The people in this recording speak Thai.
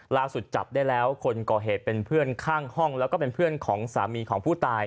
จับได้แล้วคนก่อเหตุเป็นเพื่อนข้างห้องแล้วก็เป็นเพื่อนของสามีของผู้ตาย